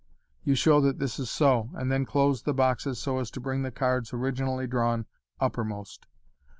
You show that this is so, and then close the boxes so as to bring the cards originally drawn uppermost.